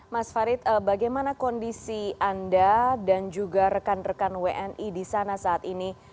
mas farid bagaimana kondisi anda dan juga rekan rekan wni di sana saat ini